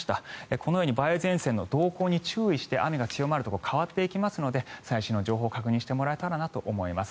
このように梅雨前線の動向に注意して雨が強まるところ変わっていきますので最新の情報を確認してもらえたらと思います。